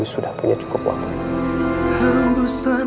bu dewi sudah punya cukup waktu